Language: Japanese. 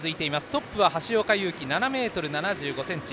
トップは橋岡優輝、７ｍ７５ｃｍ。